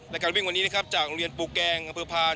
และการวิ่งวันนี้นะครับจากโรงเรียนปูแกงอำเภอพาน